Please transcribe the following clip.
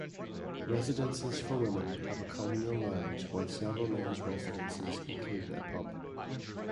Residences for women have a communal lounge while several men's residences include a pub.